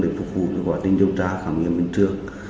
để phục vụ cho quản lý điều tra khám nghiệm hiện trường